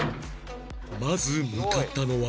まず向かったのは